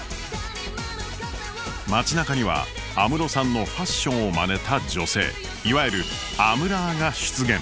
街なかには安室さんのファッションをまねた女性いわゆる「アムラー」が出現。